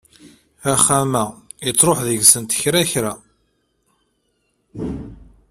Axxam-a yettruḥ deg-sent kra kra.